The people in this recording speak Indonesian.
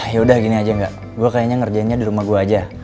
yaudah gini aja nggak gue kayaknya ngerjainnya di rumah gue aja